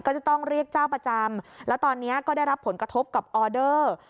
ก็จะต้องเรียกเจ้าประจำแล้วตอนนี้ก็ได้รับผลกระทบกับออเดอร์